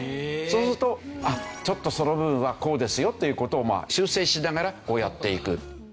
そうすると「ちょっとその部分はこうですよ」という事を修正しながらやっていく。